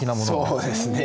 そうですね。